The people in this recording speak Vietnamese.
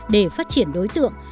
để phát triển đối tượng